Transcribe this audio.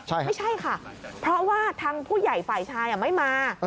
ใช่ค่ะไม่ใช่ค่ะเพราะว่าทางผู้ใหญ่ฝ่ายชายไม่มา